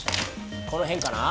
この辺かな？